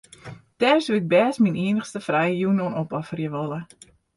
Dêr soe ik bêst myn iennichste frije jûn oan opofferje wolle.